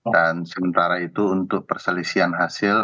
dan sementara itu untuk perselisihan hasil